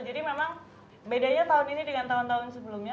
jadi memang bedanya tahun ini dengan tahun tahun sebelumnya